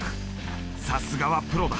さすがはプロだ。